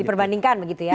diperbandingkan begitu ya